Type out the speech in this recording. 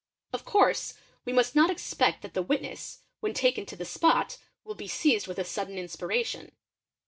Of course MEMORY 77 e must not expect that the witness, when taken to the spot, will be ized with a sudden inspiration.